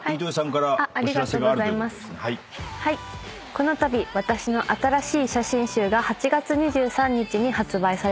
このたび私の新しい写真集が８月２３日に発売されます。